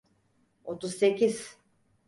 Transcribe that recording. Otuz sekiz.